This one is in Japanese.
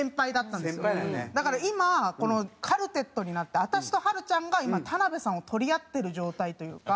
だから今このカルテットになって私とはるちゃんが今田辺さんを取り合ってる状態というか。